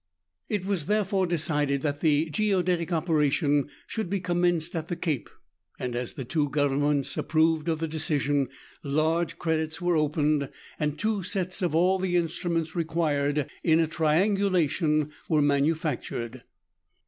It was therefore decided that the geodetic operation should be commenced at the Cape, and as the two Governments approved of the decision, large credits were opened, 38 meridiana; the adventures of A and two sets of all the instruments required in a trian gulation were manufactured.